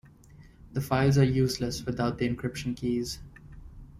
The files are useless without the encryption keys.